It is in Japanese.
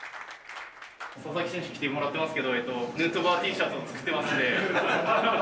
佐々木選手、着てもらってますけど、ヌートバーＴシャツを作ってますんで。